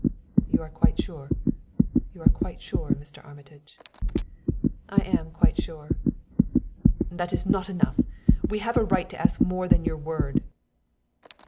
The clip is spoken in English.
"You are quite sure you are quite sure, Mr. Armitage?" "I am quite sure." "That is not enough! We have a right to ask more than your word!"